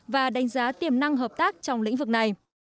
và đánh giá tiềm năng hợp tác trong lĩnh vực này